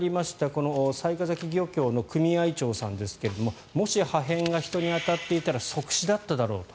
この雑賀崎漁協の組合長さんですがもし破片が人に当たっていたら即死だっただろうと。